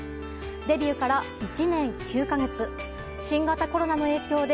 デビューから１年９か月新型コロナの影響で